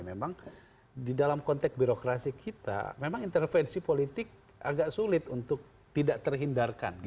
memang di dalam konteks birokrasi kita memang intervensi politik agak sulit untuk tidak terhindarkan